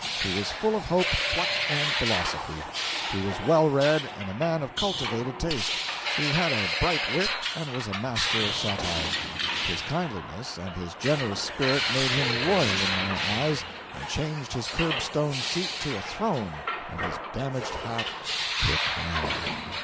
He was full of hope, pluck and philosophy; he was well read and a man of cultivated taste; he had a bright wit and was a master of satire; his kindliness and his generous spirit made him royal in my eyes and changed his curb stone seat to a throne and his damaged hat to a crown.